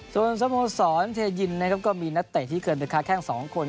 ส่วนสมสอนเทยินนะครับก็มีนัตเตะที่เกินแต่ค้าแค่๒คน